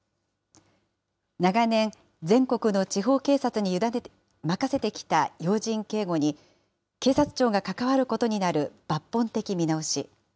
長年、全国の地方警察に任せてきた要人警護に、警察庁が関わることになる抜本的見直し。